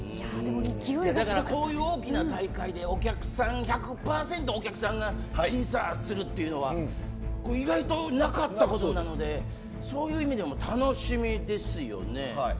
こういう大きな大会で１００％のお客さんが審査するというのは意外となかったことなのでそういう意味でも楽しみですよね。